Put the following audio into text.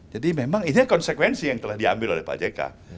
jadi memang ini konsekuensi yang telah diambil oleh pak jk